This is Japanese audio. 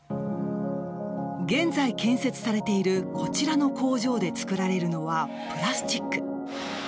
現在、建設されているこちらの工場で作られるのはプラスチック。